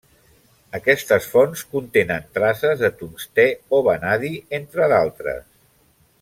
Aquestes fonts contenen traces de tungstè o vanadi entre d'altres.